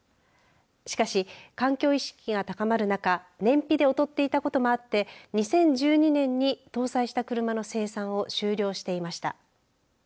しかし環境意識が高まるなか燃費で劣っていたこともあって２０１２年に搭載した車の生産を終了していました。